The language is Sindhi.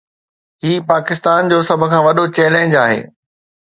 هي پاڪستان جو سڀ کان وڏو چئلينج آهي.